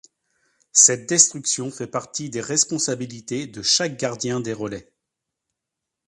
Cette destruction fait partie des responsabilités de chaque gardien des relais.